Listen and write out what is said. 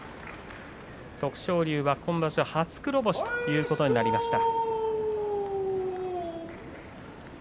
徳勝龍は今場所は初黒星ということになりました。